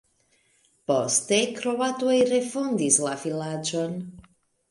Poste kroatoj refondis la vilaĝon.